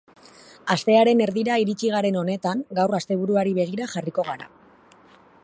Astearen erdira iritsi garen honetan, gaur asteburuari begira jarriko gara.